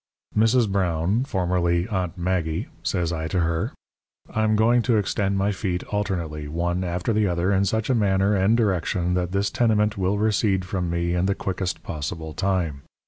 "'Mrs. Brown, formerly "Aunt Maggie,"' says I to her, 'I'm going to extend my feet alternately, one after the other, in such a manner and direction that this tenement will recede from me in the quickest possible time.